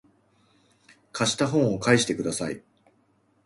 貸した本を返してください